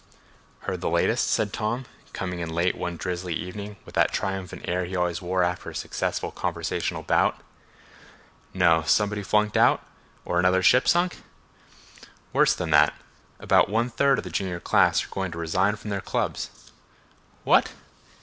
"Heard the latest?" said Tom, coming in late one drizzly evening with that triumphant air he always wore after a successful conversational bout. "No. Somebody flunked out? Or another ship sunk?" "Worse than that. About one third of the junior class are going to resign from their clubs." "What!"